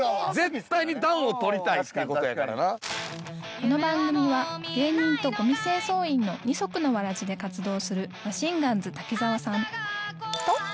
この番組は芸人とごみ清掃員の二足のわらじで活動するマシンガンズ滝沢さん